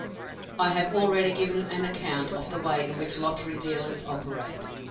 I have already given an account of the way in which lottery dealers operate.